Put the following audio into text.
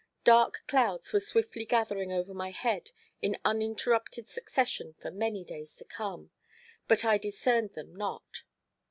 Dark clouds were swiftly gathering over my head in uninterrupted succession for many days to come; but I discerned them not.